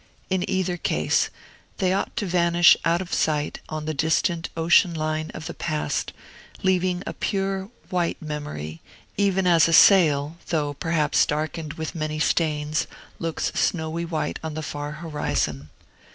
In either case, they ought to vanish out of sight on the distant ocean line of the past, leaving a pure, white memory, even as a sail, though perhaps darkened with many stains, looks snowy white on the far horizon.